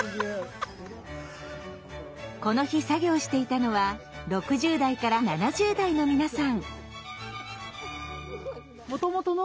この日作業していたのは６０代から７０代の皆さん。